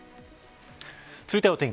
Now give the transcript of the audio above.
続いては、お天気